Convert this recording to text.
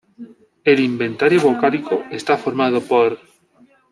El inventario vocálico está formado por